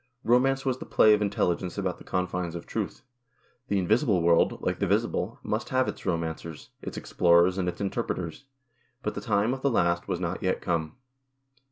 Romance was the play of intelligence about the confines of truth. The invisible world, like the visible, must have its romancers, its explorers, and its interpreters; but the time of the last was not yet come.